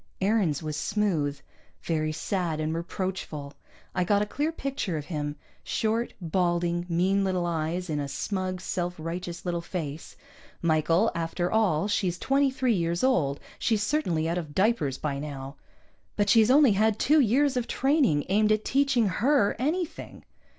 Aarons was smooth. Very sad and reproachful. I got a clear picture of him short, balding, mean little eyes in a smug, self righteous little face. "Michael, after all she's twenty three years old. She's certainly out of diapers by now." "But she's only had two years of training aimed at teaching her anything."